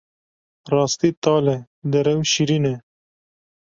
Rastî tal e, derew şîrîn e.